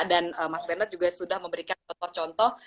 dan mas bernhard juga sudah memberikan contoh contoh